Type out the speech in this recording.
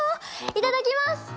いただきます！